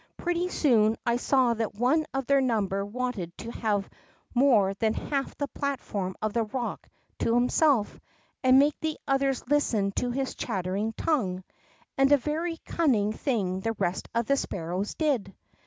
Pretty soon I saw that one of their number wanted to have more than half the platform of the rock to himself, and make the others listen to his chatter ing tongue. And a very cunning thing the rest of the sparrows did